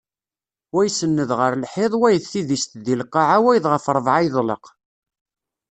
Wa isenned ɣer lḥiḍ wayeḍ tidist deg lqaɛa wayeḍ ɣef rebɛa yeḍleq.